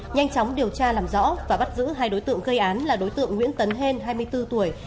nhanh chóng điều tra làm rõ và bắt giữ hai đối tượng gây án là đối tượng nguyễn tấn hen hai mươi bốn tuổi